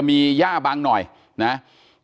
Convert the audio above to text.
มีย่าบังหน่อยนะฮะ